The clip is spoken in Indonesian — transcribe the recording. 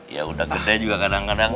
ya udah gede juga kadang kadang